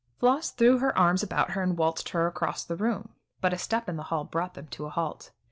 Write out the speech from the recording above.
Floss threw her arms about her and waltzed her across the room, but a step in the hall brought them to a halt.